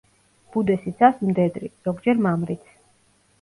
ბუდეს იცავს მდედრი, ზოგჯერ მამრიც.